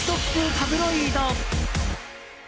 タブロイド。